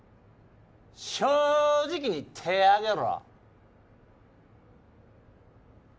正直に手ぇ挙げろ。